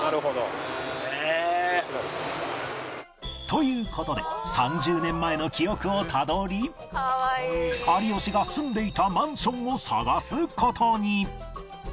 という事で３０年前の記憶をたどり有吉が住んでいたマンションを探す事に